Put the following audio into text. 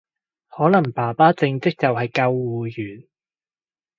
可能爸爸正職就係救護員